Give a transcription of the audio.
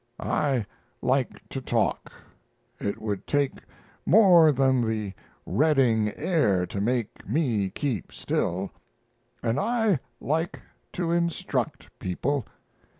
I like to talk. It would take more than the Redding air to make me keep still, and I like to instruct people.